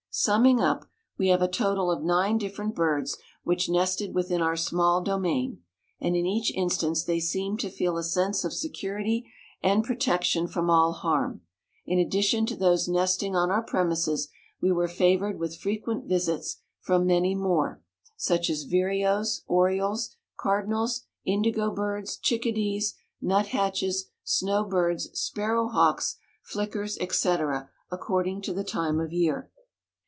Summing up we have a total of nine different birds which nested within our small domain, and in each instance they seemed to feel a sense of security and protection from all harm. In addition to those nesting on our premises, we were favored with frequent visits from many more, such as vireos, orioles, cardinals, indigo birds, chickadees, nuthatches, snow birds, sparrow hawks, flickers, etc., according to the time of year.